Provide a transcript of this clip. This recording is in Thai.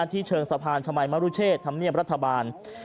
เชิงสะพานชมัยมรุเชษธรรมเนียบรัฐบาล